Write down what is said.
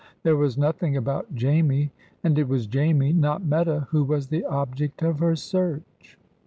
There was nothing about Jamie; and it was Jamie, not Meta, who was the object of her search.